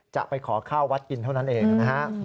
จะไปขอข้าววัดกินเท่านั้นเองนะฮะ